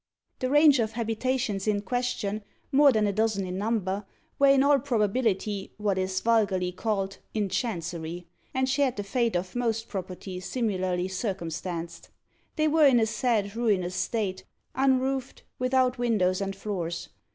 The range of habitations in question, more than a dozen in number, were, in all probability, what is vulgarly called "in Chancery," and shared the fate of most property similarly circumstanced. They were in a sad ruinous state unroofed, without windows and floors.